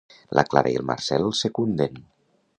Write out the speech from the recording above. La Clara i el Marcel el secunden.